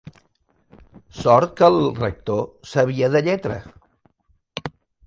Sort que el rector sabia de lletra.